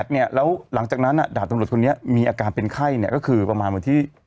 เนี่ยแล้วหลังจากนั้นดาบตำรวจคนนี้มีอาการเป็นไข้เนี่ยก็คือประมาณวันที่